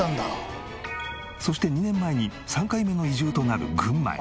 そして２年前に３回目の移住となる群馬へ。